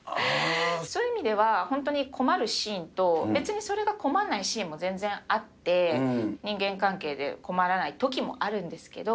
そういう意味では本当に困るシーンと別にそれが困らないシーンも全然あって、人間関係で困らないときもあるんですけど。